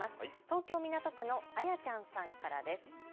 東京港区のあやちゃんさんからです。